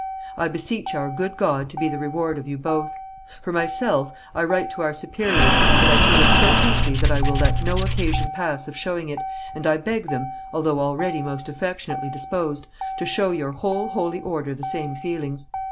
I beseech our good God to be the reward of you both. For myself, I write to our Superiors that I feel it so deeply that I will let no occasion pass of showing it, and I beg them, although already most affectionately disposed, to show your whole holy order the same feelings.